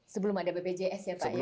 sebelum ada bpjs ya pak ya